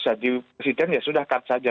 jadi presiden ya sudah cut saja